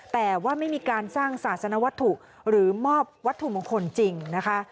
แต่ว่าไม่มีการสร้างศาสนวัตถุหรือมอบวัตถุมงคลจริงนะคะ